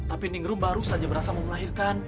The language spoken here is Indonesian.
tapi ningrum baru saja berasa mau melahirkan